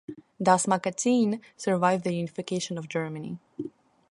"Das Magazin" survived the unification of Germany.